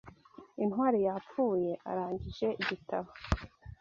Intwari yapfuye arangije igitabo